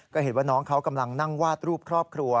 ก็เห็นว่าน้องเขากำลังนั่งวาดรูปครอบครัว